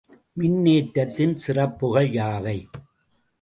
மின்னேற்றத்தின் சிறப்புகள் யாவை?